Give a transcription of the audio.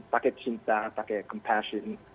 pakai cinta pakai penyayang